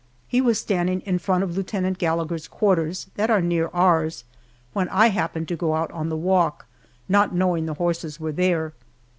He was standing in front of Lieutenant Gallagher's quarters, that are near ours, when I happened to go out on the walk, not knowing the horses were there.